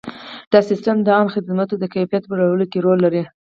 دا سیستم د عامه خدماتو د کیفیت په لوړولو کې رول لري.